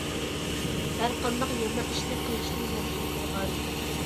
ھەر قانداق يامان ئىشنى قىلىشنى مەنئى قىلغان.